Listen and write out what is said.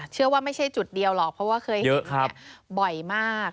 เชื่อว่าไม่ใช่จุดเดียวหรอกเพราะว่าเคยเห็นบ่อยมาก